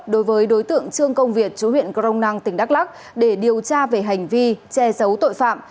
đối với đối tượng trương công việt chủ huyện crong năng tỉnh đắk lắc để điều tra về hành vi che giấu tội phạm